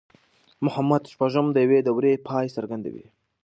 محمد شپږم د يوې دورې پای څرګندوي.